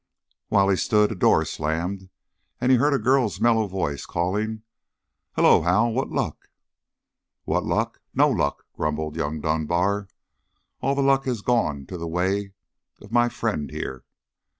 While he stood, a door slammed, and he heard a girl's mellow voice calling, "Hello, Hal, what luck?" "What luck? No luck!" grumbled young Dunbar. "All the luck has gone the way of my ... friend ... here."